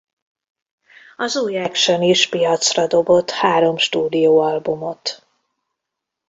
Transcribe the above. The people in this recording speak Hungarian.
Az új Action is piacra dobott három stúdióalbumot.